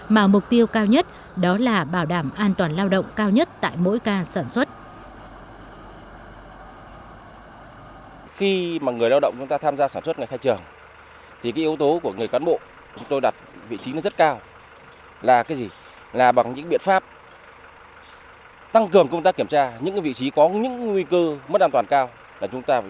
mà mục tiêu cao nhất đó là bảo đảm an toàn lao động cao nhất tại mỗi ca sản xuất